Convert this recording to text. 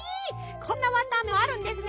こんなわたあめもあるんですね。